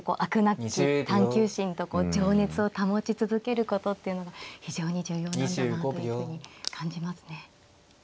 なき探究心と情熱を保ち続けることっていうのが非常に重要なんだなというふうに感じますね。